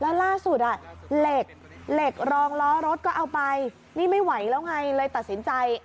แล้วล่าสุดอ่ะเหล็กเหล็กรองล้อรถก็เอาไปนี่ไม่ไหวแล้วไงเลยตัดสินใจ